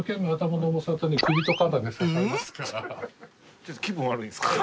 ちょっと気分悪いんですけど。